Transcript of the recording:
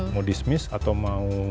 mau dismiss atau mau